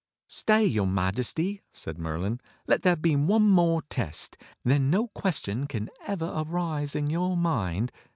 "Stay, your Majesty," said Merlin. "Let there be one more test, then no question can ever arise in your mind.